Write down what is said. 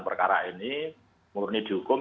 perkara ini murni dihukum